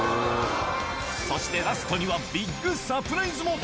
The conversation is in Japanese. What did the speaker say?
そしてラストにはビッグサプライズも。